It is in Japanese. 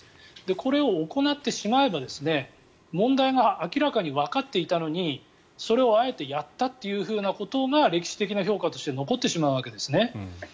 これを行ってしまえば問題が明らかにわかっていたのにそれをあえてやったというふうなことが歴史的な評価として残ってしまうわけですね。